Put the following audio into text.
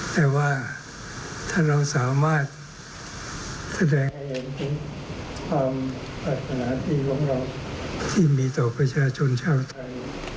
แต่ว่าถ้าเราสามารถแสดงออกถึงความปรารถนาดีของเราที่มีต่อประชาชนชาวไทย